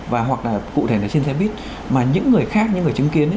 và hoặc là cụ thể là trên xe buýt mà những người khác những người chứng kiến